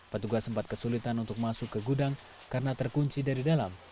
petugas sempat kesulitan untuk masuk ke gudang karena terkunci dari dalam